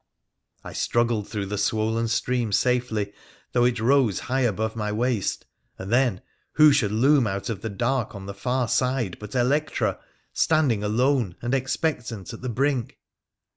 I struggled through the swollen stream safely, though it rose high above my waist, and then who should loom out of the dark on the far side but Electra, standing alone and expectant at the brink.